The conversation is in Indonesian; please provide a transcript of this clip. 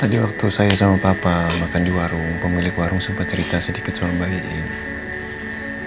tadi waktu saya sama papa makan di warung pemilik warung sempat cerita sedikit soal bayi ini